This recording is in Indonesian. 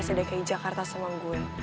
sedekay jakarta sama gue